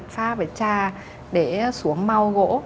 pha với cha để xuống mau gỗ